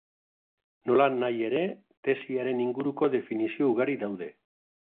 Nolanahi ere, tesiaren inguruko definizio ugari daude.